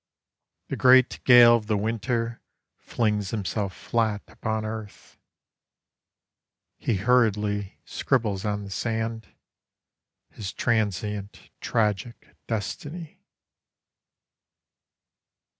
The great gale of the winter flings himself flat upon earth. He hurriedly scribbles on the sand His transient tragic destiny.